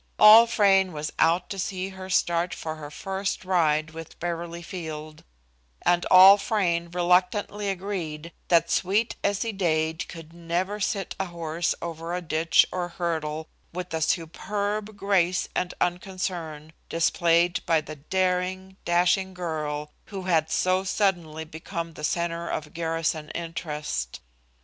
All Frayne was out to see her start for her first ride with Beverly Field, and all Frayne reluctantly agreed that sweet Essie Dade could never sit a horse over ditch or hurdle with the superb grace and unconcern displayed by the daring, dashing girl who had so suddenly become the centre of garrison interest.